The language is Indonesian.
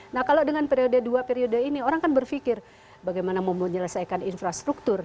nah kalau dengan periode dua periode ini orang kan berpikir bagaimana mau menyelesaikan infrastruktur